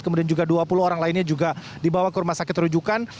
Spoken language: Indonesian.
kemudian juga dua puluh orang lainnya juga dibawa ke rumah sakit rujukan